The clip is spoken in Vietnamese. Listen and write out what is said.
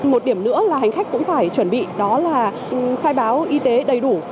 một điểm nữa là hành khách cũng phải chuẩn bị đó là khai báo y tế đầy đủ